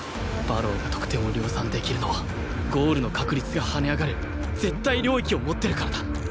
馬狼が得点を量産できるのはゴールの確率が跳ね上がる絶対領域を持ってるからだ